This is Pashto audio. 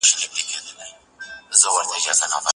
چوکات باید د اغېزمنتیا لپاره واضح وي.